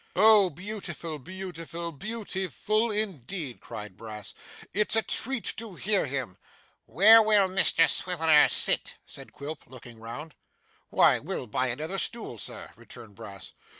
'Oh, beautiful, beautiful! Beau ti ful indeed!' cried Brass. 'It's a treat to hear him!' 'Where will Mr Swiveller sit?' said Quilp, looking round. 'Why, we'll buy another stool, sir,' returned Brass.